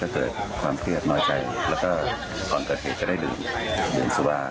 ก็เกิดความเครียดน่าจะแล้วก็ตอนเกิดเหตุจะได้ดื่มเดี่ยนทรวา